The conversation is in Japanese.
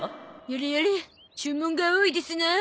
やれやれ注文が多いですなあ。